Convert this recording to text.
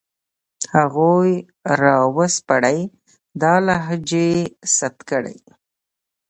هغوی را وسپړئ، دا لهجې ثبت کړئ